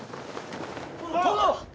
殿！